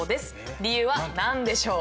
理由は何でしょう？